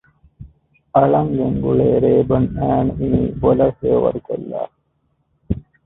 އަޅަން ގެންގުޅޭ ރޭބަން އައިނު އިނީ ބޮލަށް ހެޔޮވަރުކޮށްލާފަ